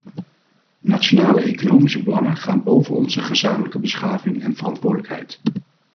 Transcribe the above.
Nationale economische belangen gaan boven onze gezamenlijke beschaving en verantwoordelijkheid.